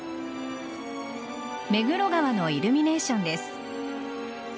目黒川のイルミネーションです。